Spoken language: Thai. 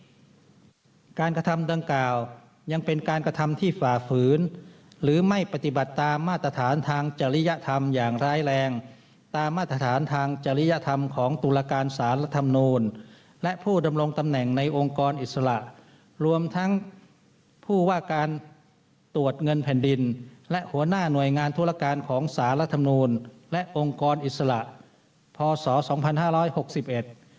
การกระทำดังกล่าวยังเป็นการกระทำที่ฝ่าฝืนหรือไม่ปฏิบัติตามมาตรฐานทางจริยธรรมอย่างร้ายแรงตามมาตรฐานทางจริยธรรมของตุลาการสารรัฐธรรมนูลและผู้ดำรงตำแหน่งในองค์กรอิสระรวมทั้งผู้ว่าการตรวจเงินแผ่นดินและหัวหน้าหน่วยงานธุรการของสารรัฐมนูลและองค์กรอิสระพศสองพันห้าร้อยหกสิบเอ็ด